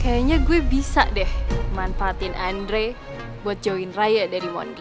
kayaknya gue bisa deh manfaatin andre buat join raya dari mondy